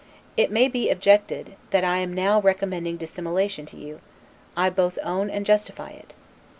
It may be objected, that I am now recommending dissimulation to you; I both own and justify it.